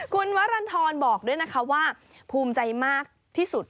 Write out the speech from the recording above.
คุณวรรณฑรบอกด้วยนะคะว่าภูมิใจมากที่สุด